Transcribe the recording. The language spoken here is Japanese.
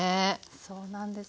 そうなんです。